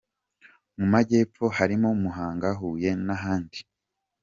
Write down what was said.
Mu majyepfo harimo: Muhanga, Huye n’ahandi.